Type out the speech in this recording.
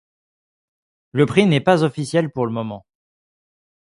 Le prix n'est pas officiel pour le moment.